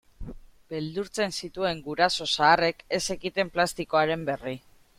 Beldurtzen zituen guraso zaharrek ez zekiten plastikoaren berri.